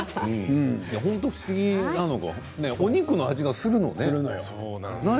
本当、不思議なのはお肉の味がするのね。